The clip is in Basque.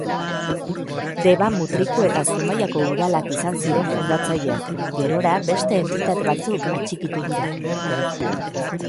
Deba, Mutriku eta Zumaiako udalak izan ziren fundatzaileak; gerora beste entitate batzuk atxikitu dira.